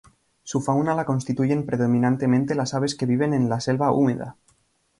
Su fauna la constituyen predominantemente las aves que viven en la selva húmeda.